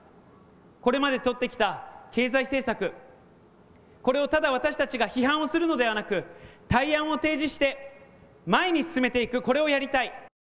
これまで取ってきた経済政策、これをただ私たちが批判をするのではなく、対案を提示して前に進めていく、これをやりたい。